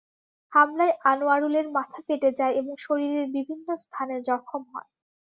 হামলায় আনোয়ারুলের মাথা ফেটে যায় এবং শরীরের বিভিন্ন স্থানে জখম হয়।